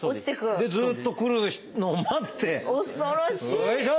でずっと来るのを待ってよいしょ！